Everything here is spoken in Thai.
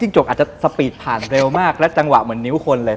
จกอาจจะสปีดผ่านเร็วมากและจังหวะเหมือนนิ้วคนเลย